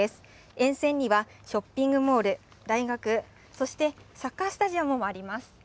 沿線にはショッピングモール、大学、そしてサッカースタジアムもあります。